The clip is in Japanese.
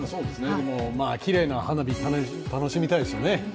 きれいな花火、楽しみたいですよね。